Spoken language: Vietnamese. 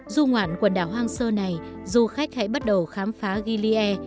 dù ngoạn quần đảo hoang sơ này du khách hãy bắt đầu khám phá gili e